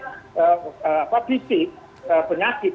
kalau apa fisik penyakit